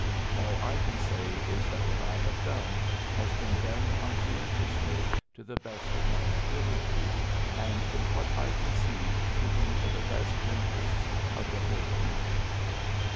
All I can say is that what I have done has been done con scientiously, to the best of my ability, and in what I conceived to be for the best interests of the whole country."